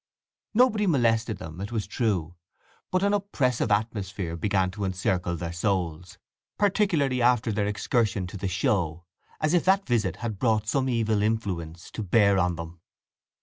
Nobody molested them, it is true; but an oppressive atmosphere began to encircle their souls, particularly after their excursion to the show, as if that visit had brought some evil influence to bear on them.